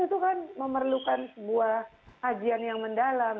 itu kan memerlukan sebuah kajian yang mendalam